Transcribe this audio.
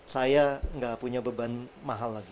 saya nggak punya beban mahal lagi